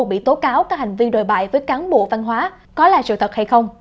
bị tố cáo có hành vi đồi bại với cán bộ văn hóa có là sự thật hay không